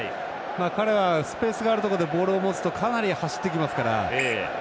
彼はスペースがあるところでボールを持つとかなり走ってきますから。